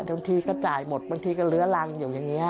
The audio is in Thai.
บางทีก็จ่ายหมดบางทีก็เลื้อรังอยู่อย่างนี้